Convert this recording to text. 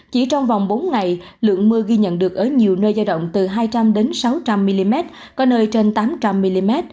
chỉ trong vòng bốn ngày lượng mưa ghi nhận được ở nhiều nơi giao động từ hai trăm linh sáu trăm linh mm có nơi trên tám trăm linh mm